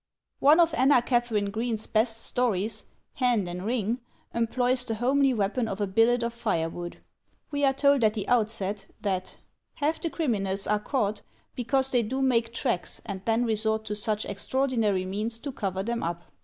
One of Anna Katharine Green's best stories, "Hand and Ring," employs the homely weapon of a billet of fire wood. We are told at the outset that: Half the criminals are caught because they do make tracks and then resort to such extraordinary means to cover them up.